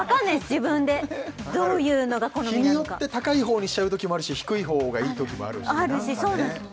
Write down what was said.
自分でどういうのが好みなのか日によって高い方にしちゃうときもあるし低い方がいいときもあるしあるしそうなんです